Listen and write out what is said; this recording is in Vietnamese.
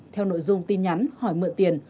theo nội dung tin nhắn hỏi mượn tiền